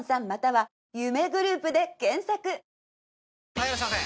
・はいいらっしゃいませ！